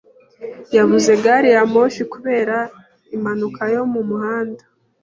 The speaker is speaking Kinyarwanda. Yabuze gari ya moshi kubera impanuka yo mu muhanda.